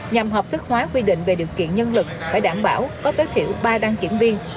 nhằm hợp thức hóa quy định về điều kiện nhân lực phải đảm bảo có tối thiểu ba đăng kiểm viên